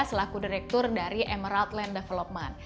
selaku direktur dari emerald land development